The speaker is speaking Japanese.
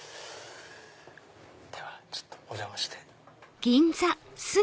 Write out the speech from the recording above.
ではちょっとお邪魔して。